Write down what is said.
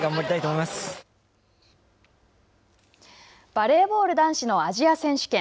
バレーボール男子のアジア選手権。